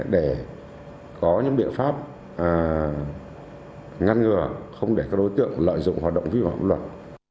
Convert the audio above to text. để có những biện pháp ngăn ngừa không để các đối tượng lợi dụng hoạt động vi phạm pháp luật